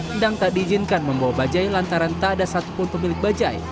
endang tak diizinkan membawa bajai lantaran tak ada satupun pemilik bajai